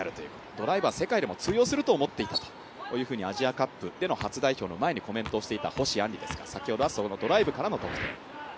ドライブは世界でも通用すると思っていたとアジアカップでの初代表の前にコメントしていた星杏璃ですが先ほどはそのドライブからの得点。